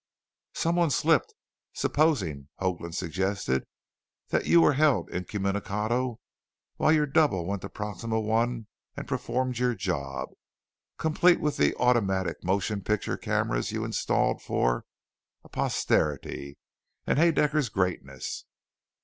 "Someone slipped. Supposing," Hoagland suggested, "that you were held incommunicado while your double went to Proxima I and performed your job, complete with the automatic motion picture cameras you installed for ah posterity and Haedaecker's greatness.